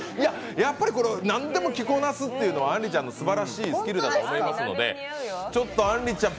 やっぱり、何でも着こなすというのはあんりちゃんのすばらしいスキルだと思いますのであんりちゃん